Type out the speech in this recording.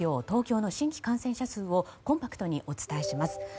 東京の新規感染者数をコンパクトにお伝えします。